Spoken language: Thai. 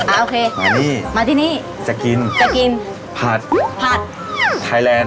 อ่าโอเคมาที่นี่จะกินผัดไทยแลนด์